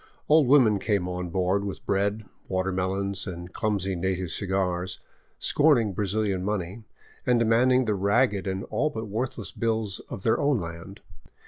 Old women came on board with bread, watermelons, and clumsy native cigars, scorning Brazilian money, and demanding the ragged and all but worthless bills of their own land.